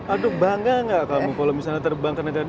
aduh bangga gak kamu kalau misalnya terbang ke negara